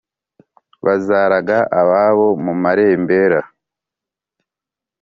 Bazaraga ababo mu marembera